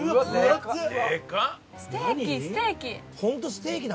ステーキステーキ。